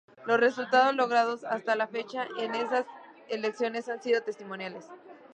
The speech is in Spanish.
Los resultados logrados hasta la fecha en estas elecciones han sido testimoniales.